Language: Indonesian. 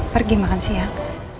pergi makan siang